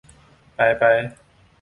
ไปไป